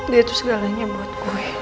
dia itu segalanya buat gue